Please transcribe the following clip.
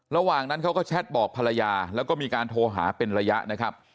ระหว่างนั้นเขาก็แชทบอกภรรยาแล้วก็มีการโทรหาเป็นระยะนะครับ